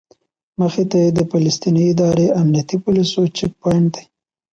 مخې ته یې د فلسطیني ادارې امنیتي پولیسو چیک پواینټ دی.